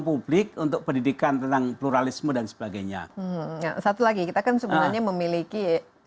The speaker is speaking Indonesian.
publik untuk pendidikan tentang pluralisme dan sebagainya satu lagi kita kan sebenarnya memiliki